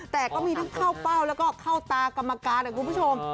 แต่ก็มีทั้งเข้าเป้าแล้วก็เข้าตากรรมการนะคุณผู้ชม